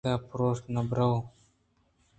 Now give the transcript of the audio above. داں پرٛوش بُہ وَرَئے